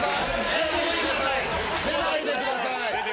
出てこないでください。